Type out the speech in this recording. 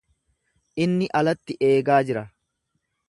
Inni alatti eegaa jira.